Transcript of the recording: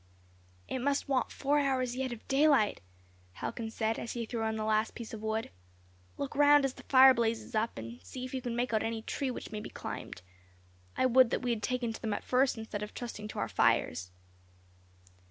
"It must want four hours yet of daylight," Halcon said, as he threw on the last piece of wood. "Look round as the fire blazes up and see if you can make out any tree which may be climbed. I would that we had taken to them at first instead of trusting to our fires."